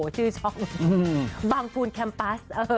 ชื่อช่องบางฟูนแคมปัส